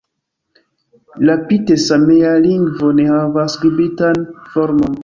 La pite-samea lingvo ne havas skribitan formon.